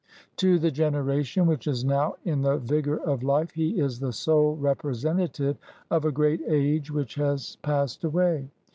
To the generation which is now in the vigor of life, he is the sole representative of a great age which has passed away.